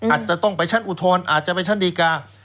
อาจจะต้องไปชั้นอุทธรณ์อาจจะไปชั้นดีกา